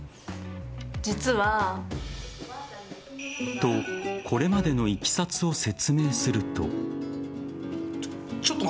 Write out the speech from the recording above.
と、これまでのいきさつを説明すると。